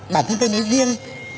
bản thân tôi nói riêng